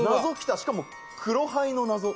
しかも黒背の謎」